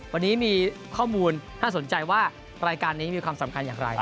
วันนี้มีข้อมูลน่าสนใจว่ารายการนี้มีความสำคัญอย่างไร